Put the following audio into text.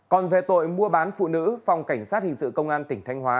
còn về tội mua bán phụ nữ phòng cảnh sát hình sự công an tỉnh thanh hóa